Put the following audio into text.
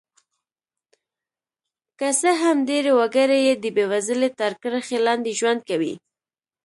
که څه هم ډېری وګړي یې د بېوزلۍ تر کرښې لاندې ژوند کوي.